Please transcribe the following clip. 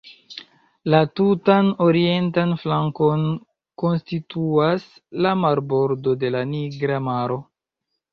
La tutan orientan flankon konstituas la marbordo de la Nigra Maro.